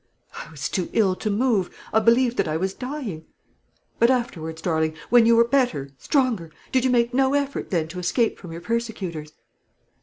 "I was too ill to move; I believed that I was dying." "But afterwards, darling, when you were better, stronger, did you make no effort then to escape from your persecutors?"